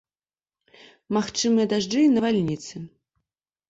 Магчымыя дажджы і навальніцы.